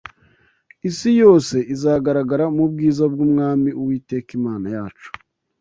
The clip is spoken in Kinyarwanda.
isi yose izagaragara mu bwiza bw’Umwami Uwiteka Imana yacu